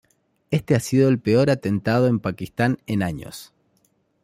Este ha sido el peor atentado en Pakistán en años.